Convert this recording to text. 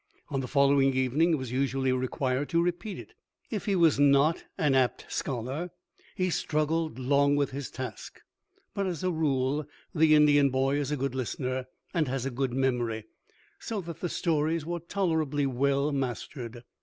On the following evening, he was usually required to repeat it. If he was not an apt scholar, he struggled long with his task; but, as a rule, the Indian boy is a good listener and has a good memory, so that the stories were tolerably well mastered.